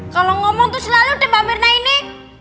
kalo ngomong tuh selalu deh mbak mirna ini